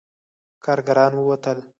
کارګران ووتل.